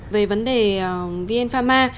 về vấn đề vn pharma